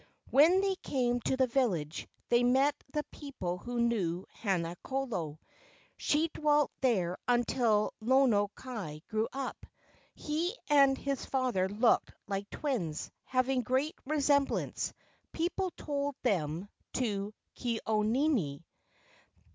When they came to the village they met the people who knew Haina kolo. She dwelt there until Lono kai grew up. He and his father looked like twins, having great resem¬ blance, people told them, to Ke au nini.